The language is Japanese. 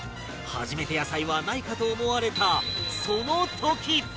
初めて野菜はないかと思われたその時！